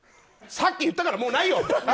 さっき言ったからもうないよ！